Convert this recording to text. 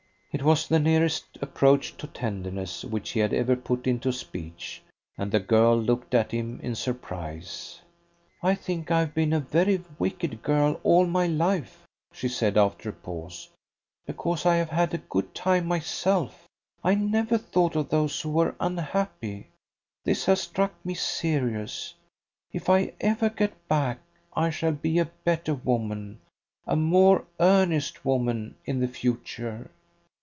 It was the nearest approach to tenderness which he had ever put into a speech, and the girl looked at him in surprise. "I think I've been a very wicked girl all my life," she said after a pause. "Because I have had a good time myself, I never thought of those who were unhappy. This has struck me serious. If ever I get back I shall be a better woman a more earnest woman in the future."